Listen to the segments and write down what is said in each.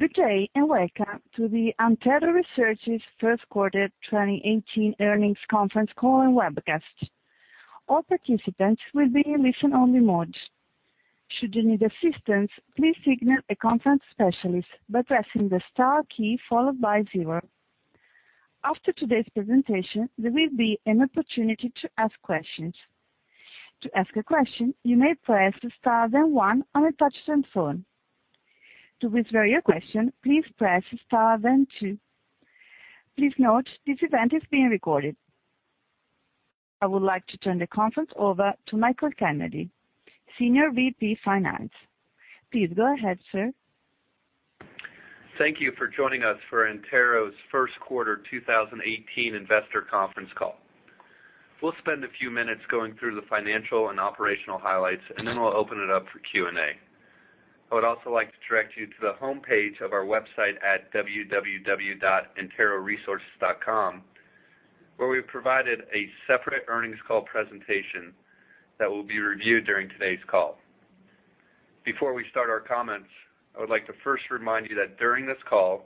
Good day. Welcome to the Antero Resources first quarter 2018 earnings conference call and webcast. All participants will be in listen only mode. Should you need assistance, please signal a conference specialist by pressing the star key followed by zero. After today's presentation, there will be an opportunity to ask questions. To ask a question, you may press star, then one on a touchscreen phone. To withdraw your question, please press star, then two. Please note this event is being recorded. I would like to turn the conference over to Michael Kennedy, Senior VP, Finance. Please go ahead, sir. Thank you for joining us for Antero's first quarter 2018 investor conference call. We'll spend a few minutes going through the financial and operational highlights. Then we'll open it up for Q&A. I would also like to direct you to the homepage of our website at www.anteroresources.com, where we've provided a separate earnings call presentation that will be reviewed during today's call. Before we start our comments, I would like to first remind you that during this call,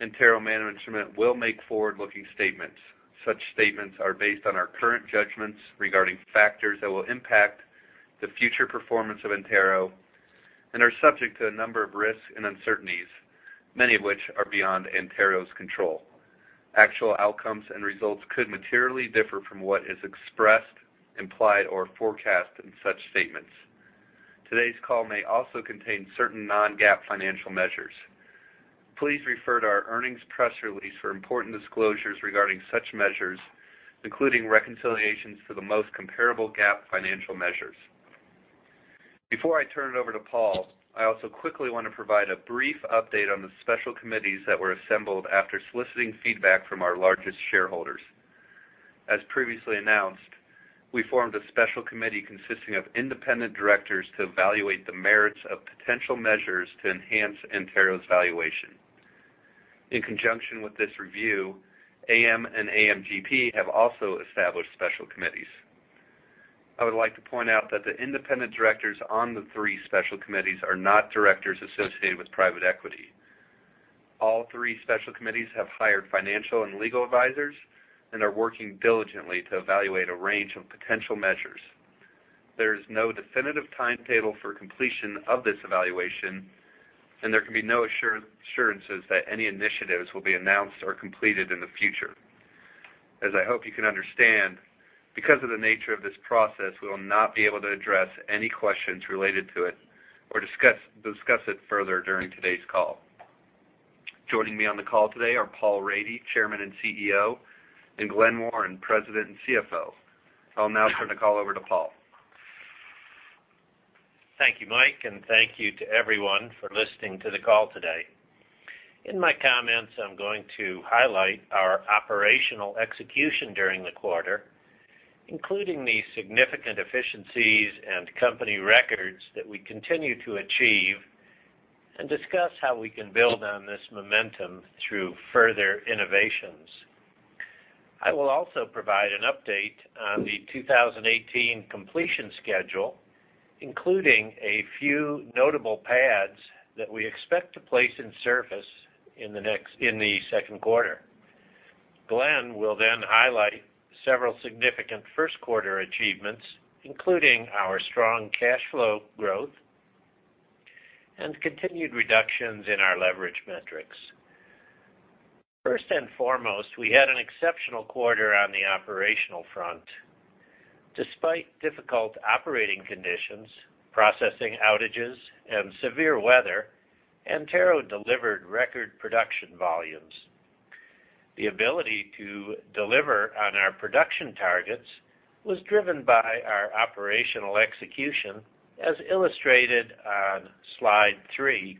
Antero management will make forward-looking statements. Such statements are based on our current judgments regarding factors that will impact the future performance of Antero and are subject to a number of risks and uncertainties, many of which are beyond Antero's control. Actual outcomes and results could materially differ from what is expressed, implied, or forecast in such statements. Today's call may also contain certain non-GAAP financial measures. Please refer to our earnings press release for important disclosures regarding such measures, including reconciliations for the most comparable GAAP financial measures. Before I turn it over to Paul, I also quickly want to provide a brief update on the special committees that were assembled after soliciting feedback from our largest shareholders. As previously announced, we formed a special committee consisting of independent directors to evaluate the merits of potential measures to enhance Antero's valuation. In conjunction with this review, AM and AMGP have also established special committees. I would like to point out that the independent directors on the three special committees are not directors associated with private equity. All three special committees have hired financial and legal advisors and are working diligently to evaluate a range of potential measures. There is no definitive timetable for completion of this evaluation. There can be no assurances that any initiatives will be announced or completed in the future. As I hope you can understand, because of the nature of this process, we will not be able to address any questions related to it or discuss it further during today's call. Joining me on the call today are Paul Rady, Chairman and CEO, and Glen Warren, President and CFO. I'll now turn the call over to Paul. Thank you, Mike, and thank you to everyone for listening to the call today. In my comments, I am going to highlight our operational execution during the quarter, including the significant efficiencies and company records that we continue to achieve, and discuss how we can build on this momentum through further innovations. I will also provide an update on the 2018 completion schedule, including a few notable pads that we expect to place in surface in the second quarter. Glen will highlight several significant first quarter achievements, including our strong cash flow growth and continued reductions in our leverage metrics. First and foremost, we had an exceptional quarter on the operational front. Despite difficult operating conditions, processing outages, and severe weather, Antero delivered record production volumes. The ability to deliver on our production targets was driven by our operational execution, as illustrated on Slide 3,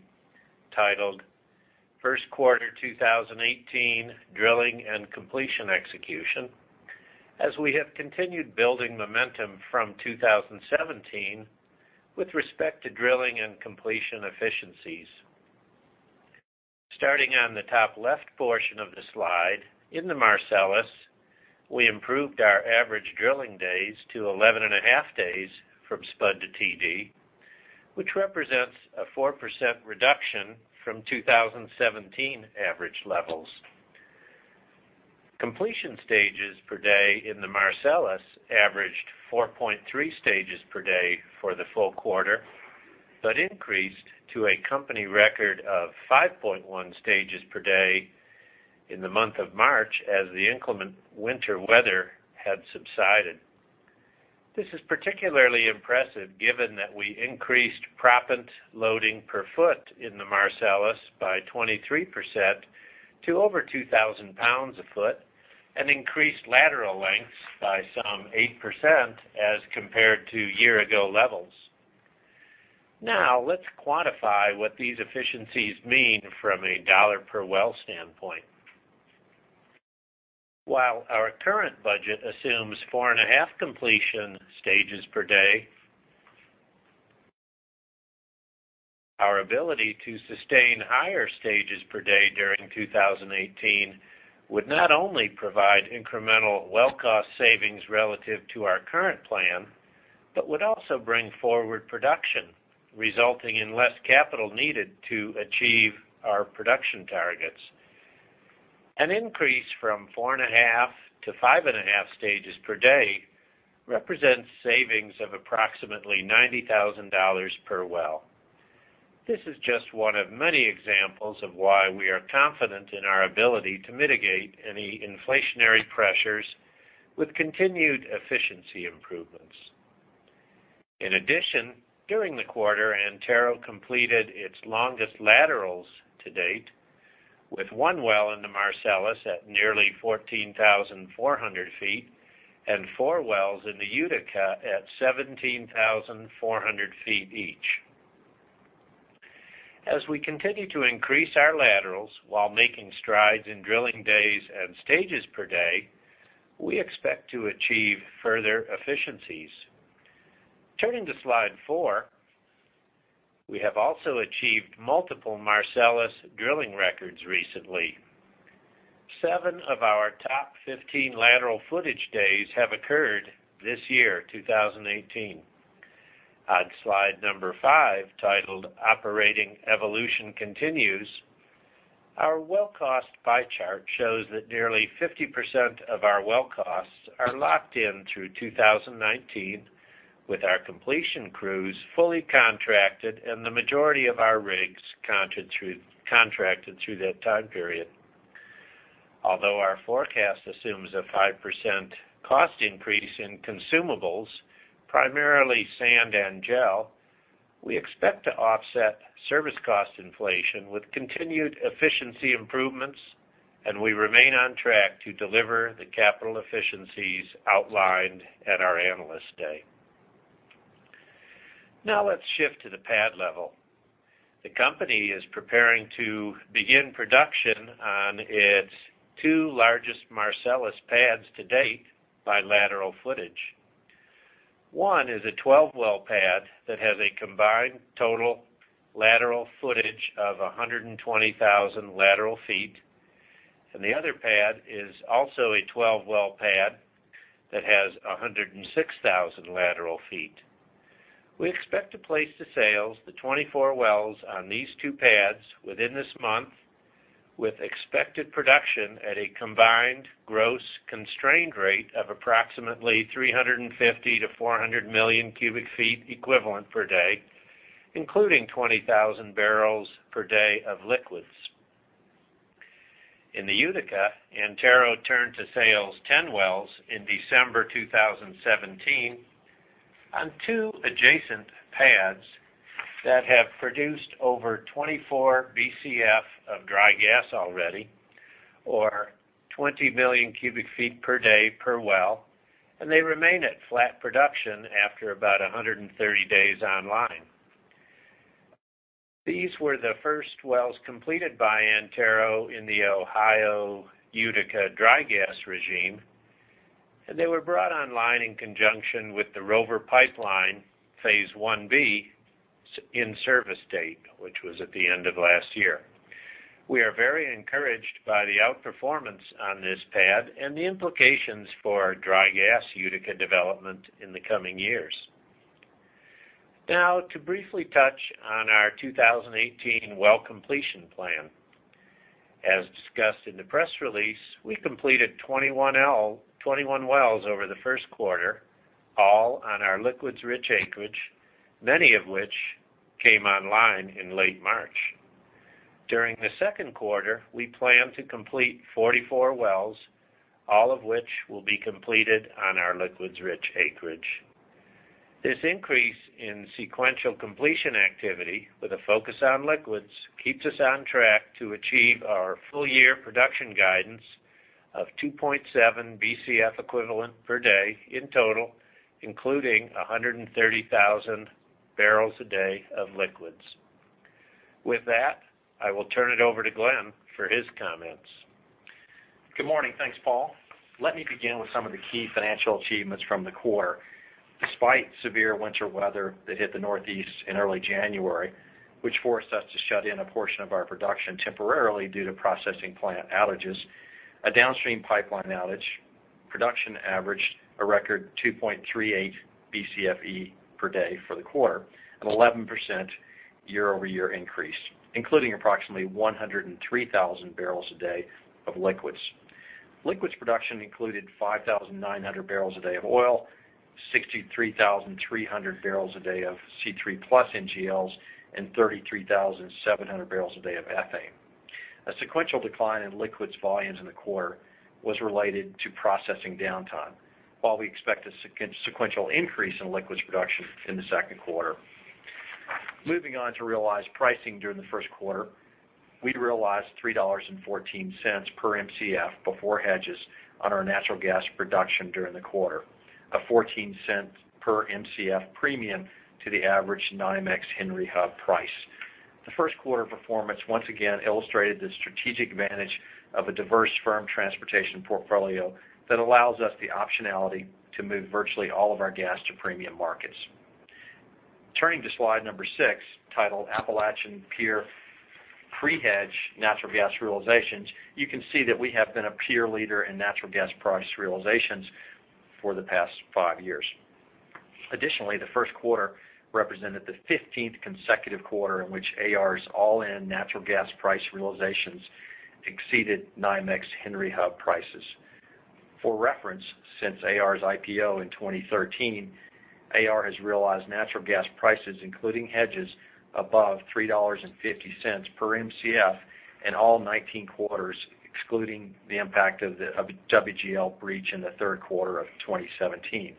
titled "First Quarter 2018 Drilling and Completion Execution," as we have continued building momentum from 2017 with respect to drilling and completion efficiencies. Starting on the top left portion of the slide, in the Marcellus, we improved our average drilling days to 11.5 days from spud to TD, which represents a 4% reduction from 2017 average levels. Completion stages per day in the Marcellus averaged 4.3 stages per day for the full quarter, but increased to a company record of 5.1 stages per day in the month of March as the inclement winter weather had subsided. This is particularly impressive given that we increased proppant loading per foot in the Marcellus by 23% to over 2,000 pounds a foot, and increased lateral lengths by some 8% as compared to year ago levels. Let's quantify what these efficiencies mean from a dollar per well standpoint. While our current budget assumes 4.5 completion stages per day, our ability to sustain higher stages per day during 2018 would not only provide incremental well cost savings relative to our current plan but would also bring forward production, resulting in less capital needed to achieve our production targets. An increase from 4.5 to 5.5 stages per day represents savings of approximately $90,000 per well. This is just one of many examples of why we are confident in our ability to mitigate any inflationary pressures with continued efficiency improvements. In addition, during the quarter, Antero completed its longest laterals to date, with one well in the Marcellus at nearly 14,400 feet and four wells in the Utica at 17,400 feet each. As we continue to increase our laterals while making strides in drilling days and stages per day, we expect to achieve further efficiencies. Turning to slide four. We have also achieved multiple Marcellus drilling records recently. 7 of our top 15 lateral footage days have occurred this year, 2018. On slide number five, titled Operating Evolution Continues, our well cost pie chart shows that nearly 50% of our well costs are locked in through 2019 with our completion crews fully contracted and the majority of our rigs contracted through that time period. Although our forecast assumes a 5% cost increase in consumables, primarily sand and gel, we expect to offset service cost inflation with continued efficiency improvements, and we remain on track to deliver the capital efficiencies outlined at our Analyst Day. Now let's shift to the pad level. The company is preparing to begin production on its two largest Marcellus pads to date by lateral footage. One is a 12-well pad that has a combined total lateral footage of 120,000 lateral feet, and the other pad is also a 12-well pad that has 106,000 lateral feet. We expect to place to sales the 24 wells on these two pads within this month, with expected production at a combined gross constrained rate of approximately 350-400 million cubic feet equivalent per day, including 20,000 barrels per day of liquids. In the Utica, Antero turned to sales 10 wells in December 2017 on two adjacent pads that have produced over 24 Bcf of dry gas already, or 20 million cubic feet per day per well, and they remain at flat production after about 130 days online. These were the first wells completed by Antero in the Ohio Utica dry gas regime, and they were brought online in conjunction with the Rover Pipeline Phase 1B in service date, which was at the end of last year. We are very encouraged by the outperformance on this pad and the implications for dry gas Utica development in the coming years. Now, to briefly touch on our 2018 well completion plan. As discussed in the press release, we completed 21 wells over the first quarter, all on our liquids-rich acreage, many of which came online in late March. During the second quarter, we plan to complete 44 wells, all of which will be completed on our liquids-rich acreage. This increase in sequential completion activity with a focus on liquids keeps us on track to achieve our full year production guidance of 2.7 BcfE per day in total, including 130,000 barrels a day of liquids. With that, I will turn it over to Glen for his comments. Good morning. Thanks, Paul. Let me begin with some of the key financial achievements from the quarter. Despite severe winter weather that hit the Northeast in early January, which forced us to shut in a portion of our production temporarily due to processing plant outages, a downstream pipeline outage production averaged a record 2.38 BcfE per day for the quarter, an 11% year-over-year increase, including approximately 103,000 barrels a day of liquids. Liquids production included 5,900 barrels a day of oil, 63,300 barrels a day of C3+ NGLs, and 33,700 barrels a day of ethane. A sequential decline in liquids volumes in the quarter was related to processing downtime. While we expect a sequential increase in liquids production in the second quarter. Moving on to realized pricing during the first quarter. We realized $3.14 per Mcf before hedges on our natural gas production during the quarter, a $0.14 per Mcf premium to the average NYMEX Henry Hub price. The first quarter performance once again illustrated the strategic advantage of a diverse firm transportation portfolio that allows us the optionality to move virtually all of our gas to premium markets. Turning to slide number six, titled Appalachian Peer Pre-hedge Natural Gas Realizations, you can see that we have been a peer leader in natural gas price realizations for the past five years. Additionally, the first quarter represented the 15th consecutive quarter in which Antero Resources's all-in natural gas price realizations exceeded NYMEX Henry Hub prices. For reference, since Antero Resources's IPO in 2013, Antero Resources has realized natural gas prices including hedges above $3.50 per Mcf in all 19 quarters, excluding the impact of WGL breach in the third quarter of 2017.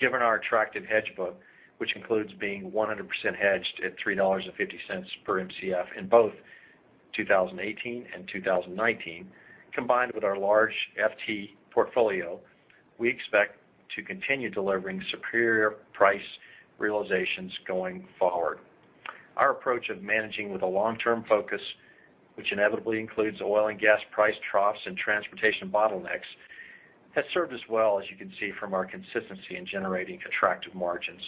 Given our attractive hedge book, which includes being 100% hedged at $3.50 per Mcf in both 2018 and 2019, combined with our large FT portfolio, we expect to continue delivering superior price realizations going forward. Our approach of managing with a long-term focus, which inevitably includes oil and gas price troughs and transportation bottlenecks, has served us well, as you can see from our consistency in generating attractive margins.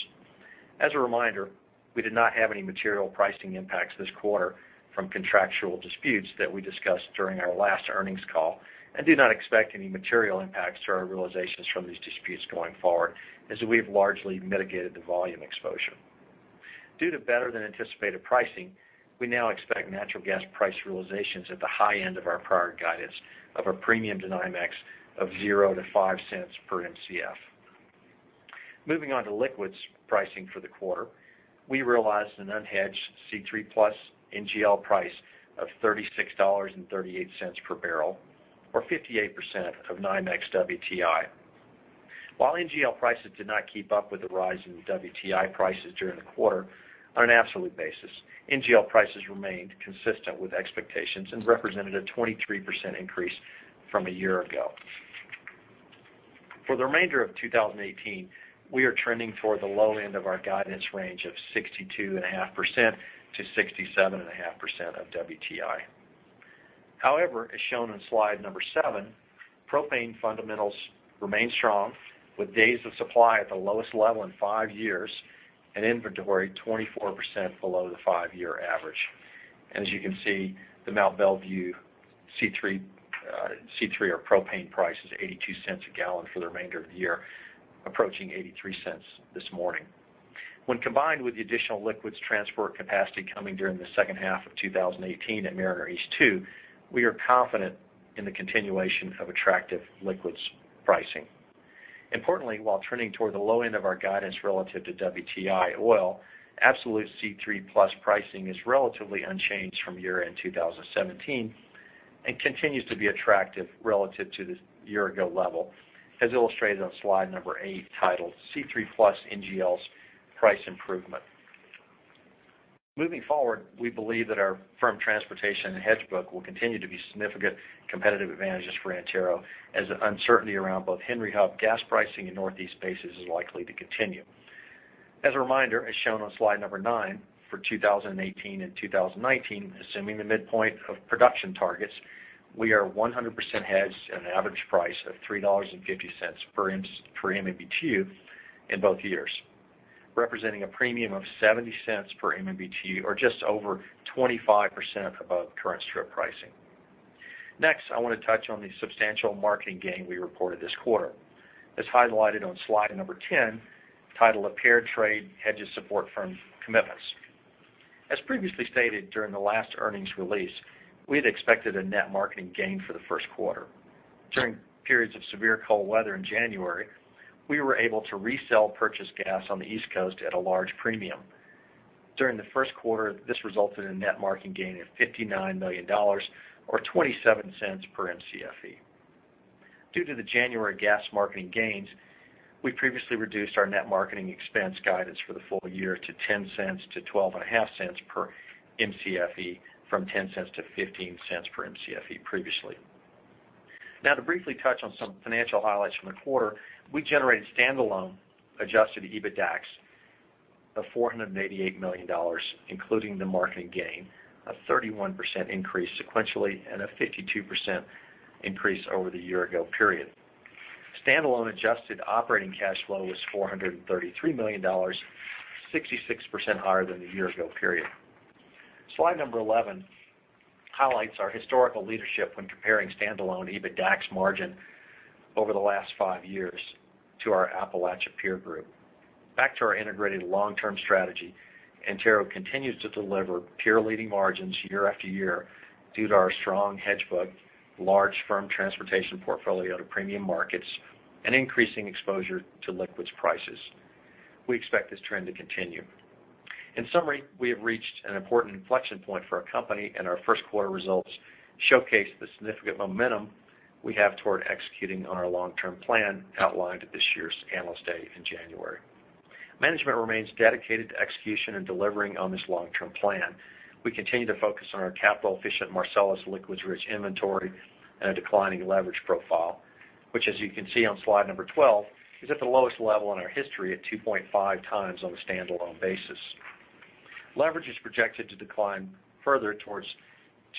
As a reminder, we did not have any material pricing impacts this quarter from contractual disputes that we discussed during our last earnings call, and do not expect any material impacts to our realizations from these disputes going forward, as we've largely mitigated the volume exposure. Due to better than anticipated pricing, we now expect natural gas price realizations at the high end of our prior guidance of a premium to NYMEX of $0.00-$0.05 per Mcf. Moving on to liquids pricing for the quarter. We realized an unhedged C3+ NGL price of $36.38 per barrel, or 58% of NYMEX WTI. While NGL prices did not keep up with the rise in WTI prices during the quarter, on an absolute basis, NGL prices remained consistent with expectations and represented a 23% increase from a year ago. For the remainder of 2018, we are trending toward the low end of our guidance range of 62.5%-67.5% of WTI. However, as shown on slide number seven, propane fundamentals remain strong, with days of supply at the lowest level in five years and inventory 24% below the five-year average. As you can see, the Mont Belvieu C3 or propane price is $0.82 a gallon for the remainder of the year, approaching $0.83 this morning. When combined with the additional liquids transport capacity coming during the second half of 2018 at Mariner East 2, we are confident in the continuation of attractive liquids pricing. Importantly, while trending toward the low end of our guidance relative to WTI oil, absolute C3+ pricing is relatively unchanged from year-end 2017 and continues to be attractive relative to the year ago level, as illustrated on slide number eight, titled C3+ NGLs Price Improvement. Moving forward, we believe that our firm transportation and hedge book will continue to be significant competitive advantages for Antero Resources as the uncertainty around both Henry Hub gas pricing and Northeast bases is likely to continue. As a reminder, as shown on slide number nine, for 2018 and 2019, assuming the midpoint of production targets, we are 100% hedged at an average price of $3.50 per MMBtu in both years, representing a premium of $0.70 per MMBtu or just over 25% above current strip pricing. I want to touch on the substantial marketing gain we reported this quarter. As highlighted on slide number 10, titled A Paired Trade Hedges Support Firm Commitments. As previously stated during the last earnings release, we had expected a net marketing gain for the first quarter. During periods of severe cold weather in January, we were able to resell purchased gas on the East Coast at a large premium. During the first quarter, this resulted in a net marketing gain of $59 million, or $0.27 per Mcfe. Due to the January gas marketing gains, we previously reduced our net marketing expense guidance for the full year to $0.10-$0.125 per Mcfe from $0.10-$0.15 per Mcfe previously. To briefly touch on some financial highlights from the quarter, we generated standalone adjusted EBITDAX of $488 million, including the marketing gain, a 31% increase sequentially, and a 52% increase over the year-ago period. Standalone adjusted operating cash flow was $433 million, 66% higher than the year-ago period. Slide number 11 highlights our historical leadership when comparing standalone EBITDAX margin over the last five years to our Appalachian peer group. Back to our integrated long-term strategy. Antero continues to deliver peer-leading margins year after year due to our strong hedge book, large firm transportation portfolio to premium markets, and increasing exposure to liquids prices. We expect this trend to continue. In summary, we have reached an important inflection point for our company, and our first quarter results showcase the significant momentum we have toward executing on our long-term plan outlined at this year's Analyst Day in January. Management remains dedicated to execution and delivering on this long-term plan. We continue to focus on our capital-efficient Marcellus liquids-rich inventory and a declining leverage profile, which, as you can see on slide number 12, is at the lowest level in our history at 2.5 times on a standalone basis. Leverage is projected to decline further towards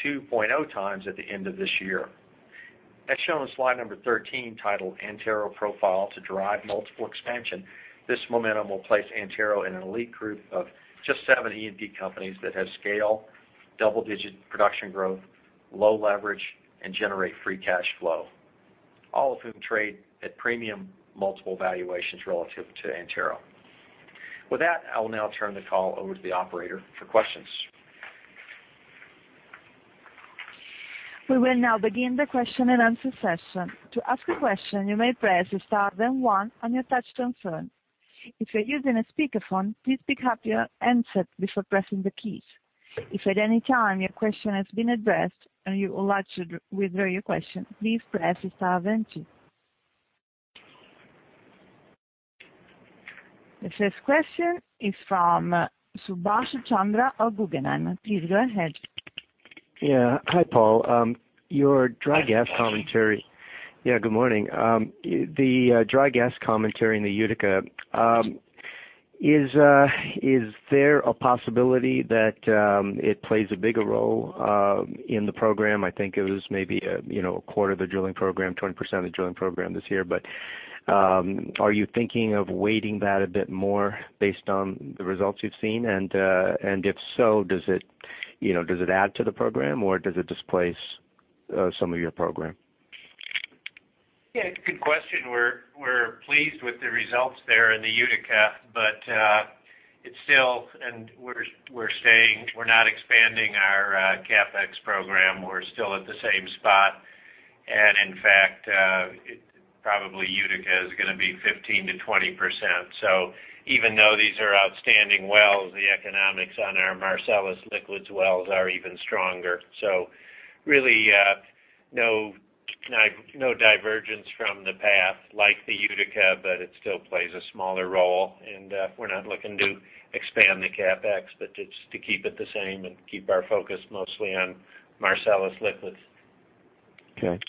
2.0 times at the end of this year. As shown in slide number 13, titled Antero Profile to Drive Multiple Expansion, this momentum will place Antero in an elite group of just seven E&P companies that have scale, double-digit production growth, low leverage, and generate free cash flow. All of whom trade at premium multiple valuations relative to Antero. With that, I will now turn the call over to the operator for questions. We will now begin the question and answer session. To ask a question, you may press star, then one on your touch-tone phone. If you're using a speakerphone, please pick up your handset before pressing the keys. If at any time your question has been addressed, and you would like to withdraw your question, please press star then two. The first question is from Subash Chandra of Guggenheim. Please go ahead. Hi, Paul. Good morning. The dry gas commentary in the Utica, is there a possibility that it plays a bigger role in the program? I think it was maybe a quarter of the drilling program, 20% of the drilling program this year. Are you thinking of weighting that a bit more based on the results you've seen? If so, does it add to the program, or does it displace some of your program? Good question. We're pleased with the results there in the Utica. We're not expanding our CapEx program. We're still at the same spot. In fact, probably Utica is going to be 15%-20%. Even though these are outstanding wells, the economics on our Marcellus liquids wells are even stronger. Really, no divergence from the path like the Utica, but it still plays a smaller role. We're not looking to expand the CapEx, but to keep it the same and keep our focus mostly on Marcellus liquids. Okay.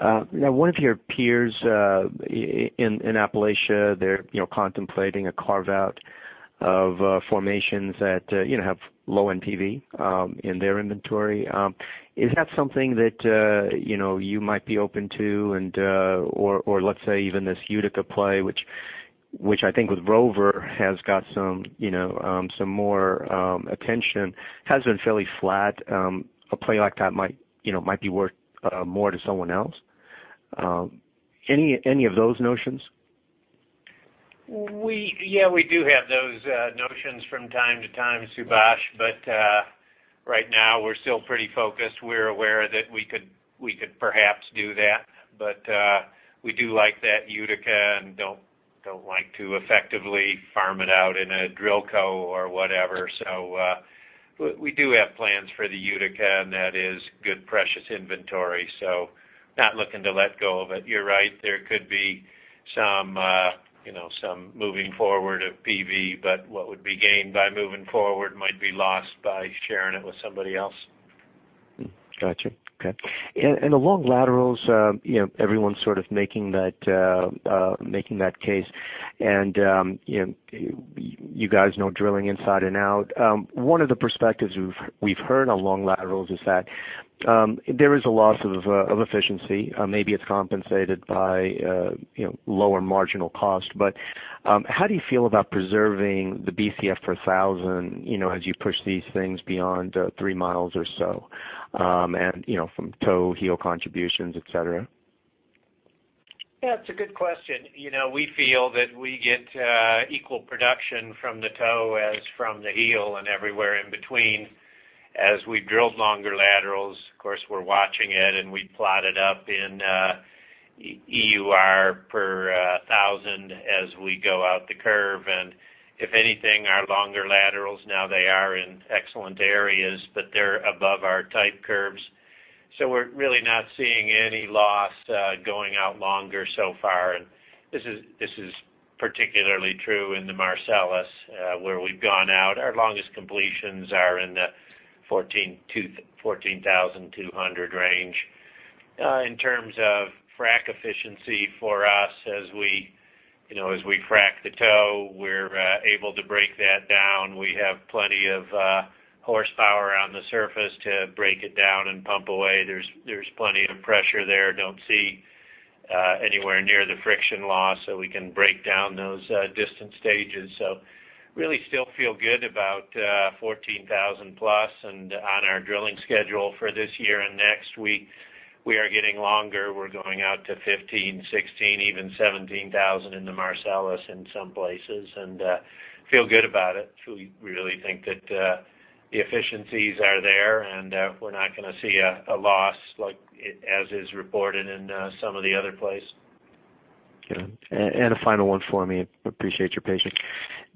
Now, one of your peers in Appalachia, they're contemplating a carve-out of formations that have low NPV in their inventory. Is that something that you might be open to? Let's say even this Utica play, which I think with Rover has got some more attention, has been fairly flat. A play like that might be worth more to someone else. Any of those notions? Yeah, we do have those notions from time to time, Subash. Right now, we're still pretty focused. We're aware that we could perhaps do that, but we do like that Utica and don't like to effectively farm it out in a drill co or whatever. We do have plans for the Utica, and that is good precious inventory, so not looking to let go of it. You're right, there could be some moving forward of PV, but what would be gained by moving forward might be lost by sharing it with somebody else. Got you. Okay. The long laterals, everyone's sort of making that case, and you guys know drilling inside and out. One of the perspectives we've heard on long laterals is that there is a loss of efficiency. Maybe it's compensated by lower marginal cost. How do you feel about preserving the Bcf per 1,000 as you push these things beyond 3 miles or so? From toe, heel contributions, et cetera? Yeah, it's a good question. We feel that we get equal production from the toe as from the heel and everywhere in between. As we drilled longer laterals, of course, we're watching it, and we plot it up in EUR per thousand as we go out the curve. If anything, our longer laterals, now they are in excellent areas, but they're above our type curves. We're really not seeing any loss going out longer so far. This is particularly true in the Marcellus, where we've gone out. Our longest completions are in the 14,200 range. In terms of frack efficiency for us, as we frack the toe, we're able to break that down. We have plenty of horsepower on the surface to break it down and pump away. There's plenty of pressure there. Don't see anywhere near the friction loss, so we can break down those distance stages. Really still feel good about 14,000+. On our drilling schedule for this year and next, we are getting longer. We're going out to 15,000, 16,000, even 17,000 in the Marcellus in some places. Feel good about it. We really think that the efficiencies are there, and we're not going to see a loss as is reported in some of the other plays. Got it. A final one for me. Appreciate your patience.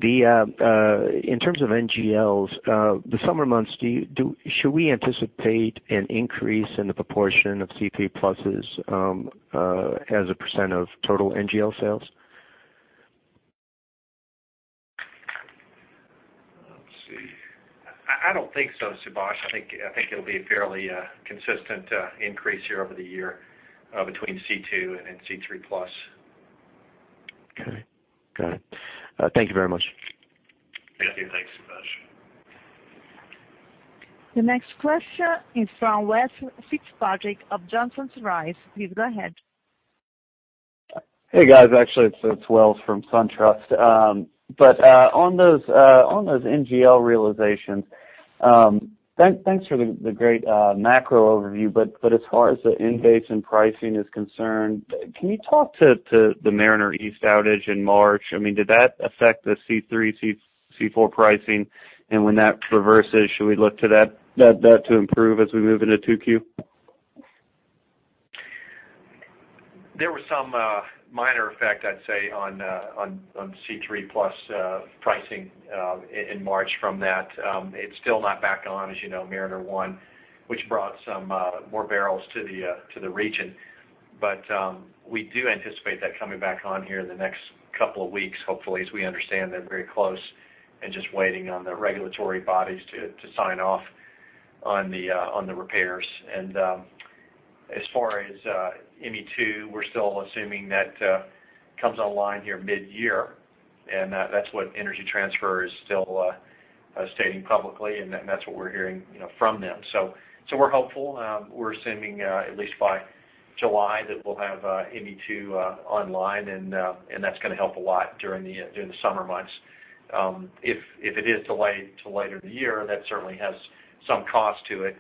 In terms of NGLs, the summer months, should we anticipate an increase in the proportion of C3 pluses as a % of total NGL sales? Let's see. I don't think so, Subash. I think it'll be a fairly consistent increase here over the year between C2 and C3 plus. Okay. Got it. Thank you very much. Thank you. Thanks, Subash. The next question is from Welles Fitzpatrick of Johnson Rice. Please go ahead. Hey, guys. Actually, it's Wells from SunTrust. On those NGL realizations, thanks for the great macro overview. As far as the in-basin pricing is concerned, can you talk to the Mariner East outage in March? I mean, did that affect the C3, C4 pricing? When that reverses, should we look to that to improve as we move into 2Q? There was some minor effect, I'd say, on C3 plus pricing in March from that. It's still not back on, as you know, Mariner 1, which brought some more barrels to the region. We do anticipate that coming back on here in the next couple of weeks, hopefully, as we understand they're very close and just waiting on the regulatory bodies to sign off on the repairs. As far as ME2, we're still assuming that comes online here mid-year, and that's what Energy Transfer is still stating publicly, and that's what we're hearing from them. We're hopeful. We're assuming at least by July that we'll have ME2 online, and that's going to help a lot during the summer months. If it is delayed to later in the year, that certainly has some cost to it.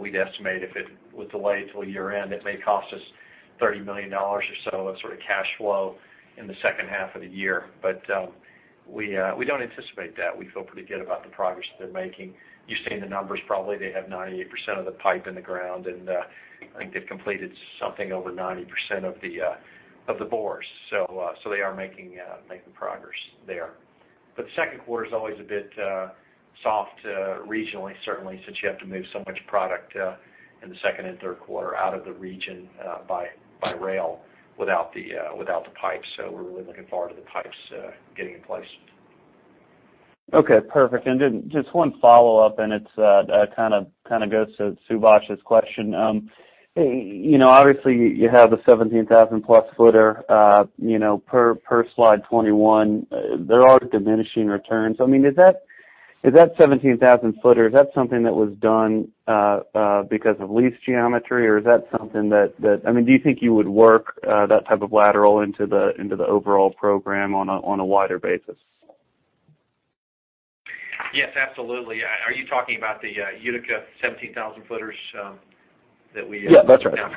We'd estimate if it was delayed till year-end, it may cost us $30 million or so of sort of cash flow in the second half of the year. We don't anticipate that. We feel pretty good about the progress they're making. You've seen the numbers, probably they have 98% of the pipe in the ground, and I think they've completed something over 90% of the bores. They are making progress there. The second quarter's always a bit soft regionally, certainly, since you have to move so much product in the second and third quarter out of the region by rail without the pipe. We're really looking forward to the pipes getting in place. Okay, perfect. Just one follow-up, it's kind of goes to Subash's question. Obviously, you have the 17,000 plus footer per slide 21. There are diminishing returns. I mean, is that 17,000 footer, is that something that was done because of lease geometry? I mean, do you think you would work that type of lateral into the overall program on a wider basis? Yes, absolutely. Are you talking about the Utica 17,000 footers? Yeah, that's right.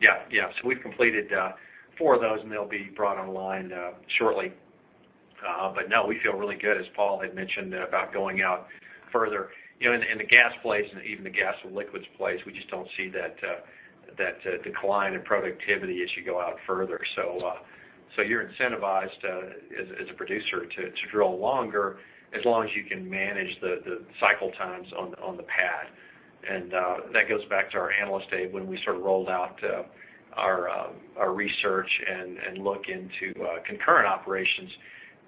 Yeah. We've completed four of those, and they'll be brought online shortly. No, we feel really good, as Paul had mentioned, about going out further. In the gas plays and even the gas and liquids plays, we just don't see that decline in productivity as you go out further. You're incentivized as a producer to drill longer as long as you can manage the cycle times on the pad. That goes back to our Analyst Day when we sort of rolled out our research and look into concurrent operations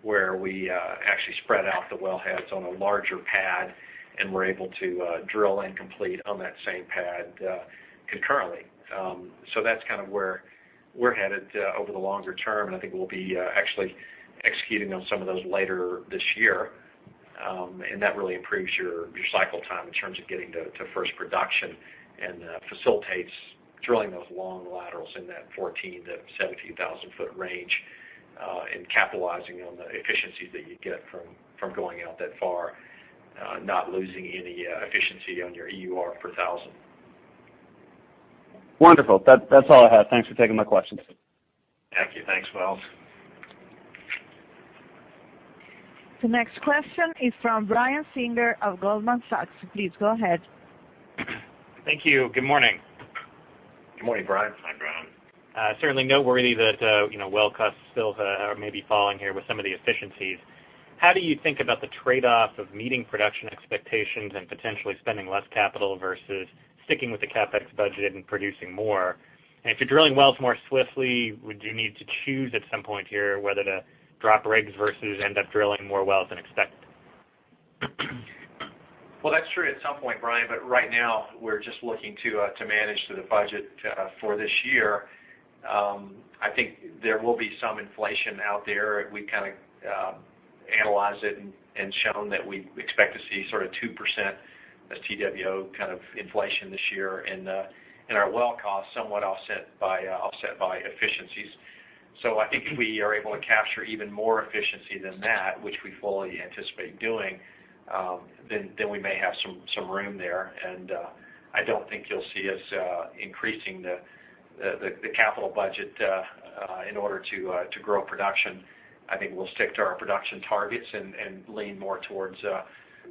where we actually spread out the wellheads on a larger pad, and we're able to drill and complete on that same pad concurrently. That's where we're headed over the longer term, and I think we'll be actually executing on some of those later this year. That really improves your cycle time in terms of getting to first production and facilitates drilling those long laterals in that 14 to 17,000 foot range and capitalizing on the efficiencies that you get from going out that far, not losing any efficiency on your EUR per thousand. Wonderful. That's all I have. Thanks for taking my questions. Thank you. Thanks, Wells. The next question is from Brian Singer of Goldman Sachs. Please go ahead. Thank you. Good morning. Good morning, Brian. Hi, Brian. Certainly noteworthy that well costs still are maybe falling here with some of the efficiencies. How do you think about the trade-off of meeting production expectations and potentially spending less capital versus sticking with the CapEx budget and producing more? If you're drilling wells more swiftly, would you need to choose at some point here whether to drop rigs versus end up drilling more wells than expected? Well, that's true at some point, Brian. Right now, we're just looking to manage to the budget for this year. I think there will be some inflation out there. We analyzed it and shown that we expect to see sort of 2% inflation this year, and our well cost somewhat offset by efficiencies. I think if we are able to capture even more efficiency than that, which we fully anticipate doing, then we may have some room there. I don't think you'll see us increasing the capital budget in order to grow production. I think we'll stick to our production targets and lean more towards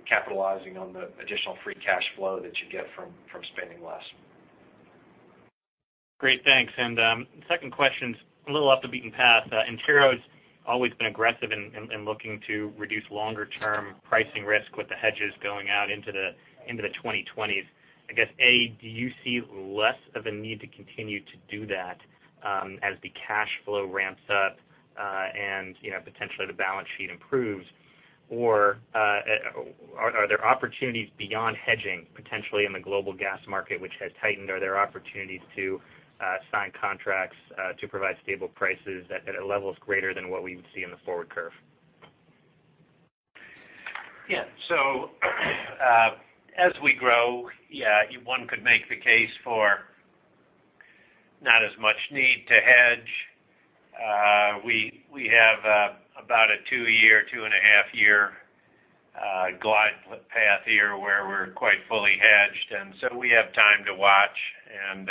capitalizing on the additional free cash flow that you get from spending less. Great, thanks. Second question's a little off the beaten path. Antero's always been aggressive in looking to reduce longer-term pricing risk with the hedges going out into the 2020s. I guess, A, do you see less of a need to continue to do that as the cash flow ramps up and potentially the balance sheet improves? Are there opportunities beyond hedging, potentially in the global gas market, which has tightened? Are there opportunities to sign contracts to provide stable prices at levels greater than what we would see in the forward curve? Yeah. As we grow, one could make the case for not as much need to hedge. We have about a two-year, two and a half year glide path here where we're quite fully hedged. We have time to watch and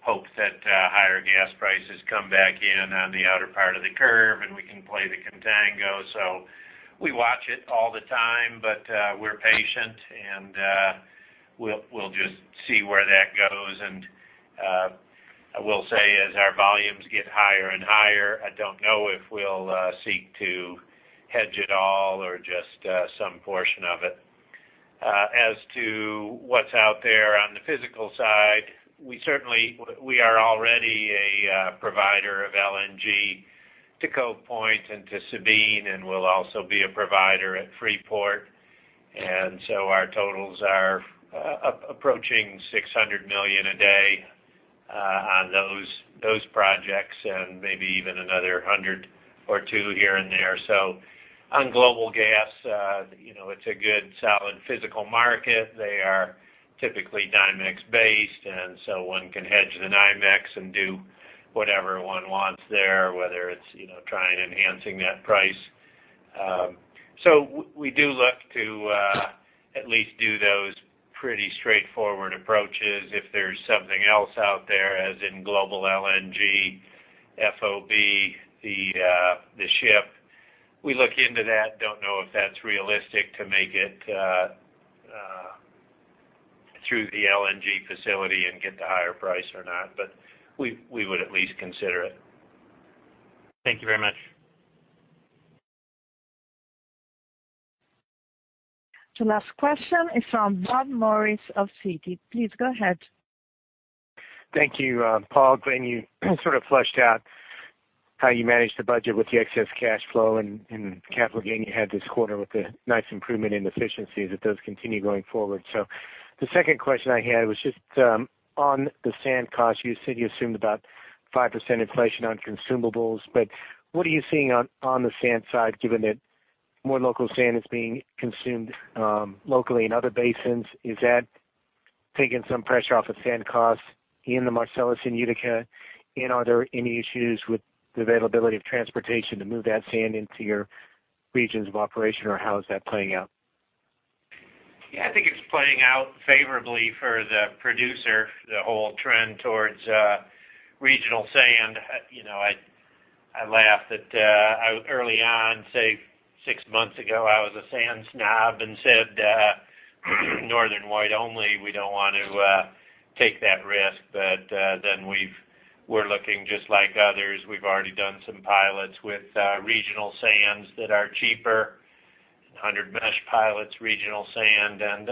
hope that higher gas prices come back in on the outer part of the curve, and we can play the contango. We watch it all the time, but we're patient, and we'll just see where that goes. I will say, as our volumes get higher and higher, I don't know if we'll seek to hedge it all or just some portion of it. As to what's out there on the physical side, we are already a provider of LNG to Cove Point and to Sabine, and we'll also be a provider at Freeport. Our totals are approaching $600 million a day on those projects, and maybe even another 100 or two here and there. On global gas, it's a good solid physical market. They are typically NYMEX based, and one can hedge the NYMEX and do whatever one wants there, whether it's trying enhancing that price. We do look to at least do those pretty straightforward approaches. If there's something else out there, as in global LNG, FOB, the ship, we look into that. Don't know if that's realistic to make it through the LNG facility and get the higher price or not, but we would at least consider it. Thank you very much. The last question is from Bob Morris of Citi. Please go ahead. Thank you. Paul, Glen, you sort of fleshed out how you managed the budget with the excess cash flow and capital gain you had this quarter with a nice improvement in efficiency, that those continue going forward. The second question I had was just on the sand cost. You said you assumed about 5% inflation on consumables, but what are you seeing on the sand side, given that more local sand is being consumed locally in other basins? Is that taking some pressure off of sand costs in the Marcellus and Utica? Are there any issues with the availability of transportation to move that sand into your regions of operation, or how is that playing out? I think it's playing out favorably for the producer, the whole trend towards regional sand. I laugh that early on, say six months ago, I was a sand snob and said, "Northern White only. We don't want to take that risk." We're looking just like others. We've already done some pilots with regional sands that are cheaper, 100 mesh pilots, regional sand, and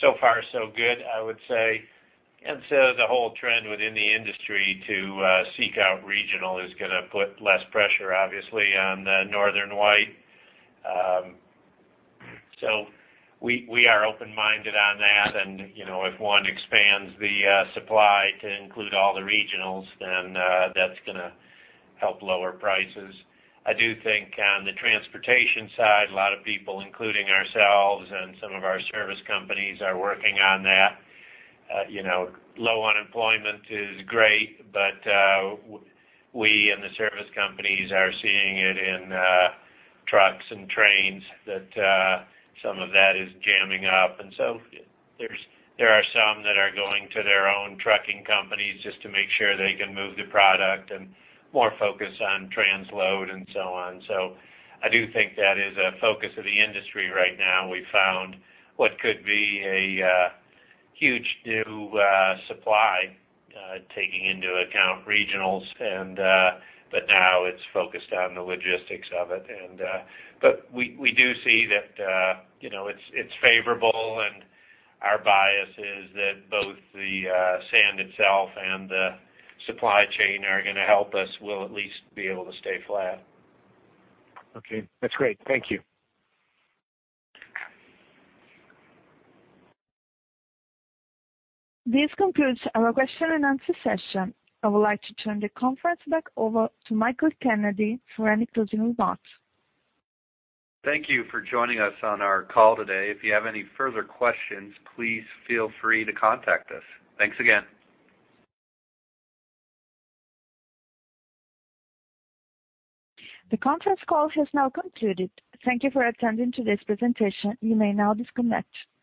so far so good, I would say. The whole trend within the industry to seek out regional is going to put less pressure, obviously, on the Northern White. We are open-minded on that, and if one expands the supply to include all the regionals, then that's going to help lower prices. I do think on the transportation side, a lot of people, including ourselves and some of our service companies, are working on that. Low unemployment is great, we and the service companies are seeing it in trucks and trains that some of that is jamming up. There are some that are going to their own trucking companies just to make sure they can move the product, and more focus on transload and so on. I do think that is a focus of the industry right now. We found what could be a huge new supply taking into account regionals, now it's focused on the logistics of it. We do see that it's favorable, and our bias is that both the sand itself and the supply chain are going to help us. We'll at least be able to stay flat. Okay. That's great. Thank you. This concludes our question and answer session. I would like to turn the conference back over to Michael Kennedy for any closing remarks. Thank you for joining us on our call today. If you have any further questions, please feel free to contact us. Thanks again. The conference call has now concluded. Thank you for attending today's presentation. You may now disconnect.